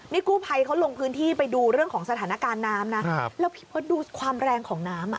นี่กู้ภัยเขาลงพื้นที่ไปดูเรื่องของสถานการณ์น้ำนะแล้วพี่เบิร์ตดูความแรงของน้ำอ่ะ